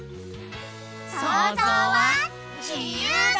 そうぞうはじゆうだ！